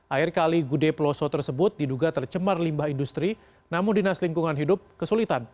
air kali gude peloso tersebut diduga tercemar limbah industri namun dinas lingkungan hidup kesulitan